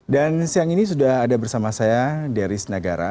dan siang ini sudah ada bersama saya deris nagara